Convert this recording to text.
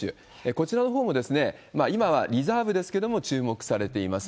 こちらのほうも、今はリザーブですけれども、注目されています。